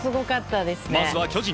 まずは巨人。